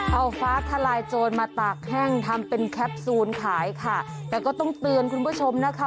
เอาฟ้าทลายโจรมาตากแห้งทำเป็นแคปซูลขายค่ะแต่ก็ต้องเตือนคุณผู้ชมนะคะ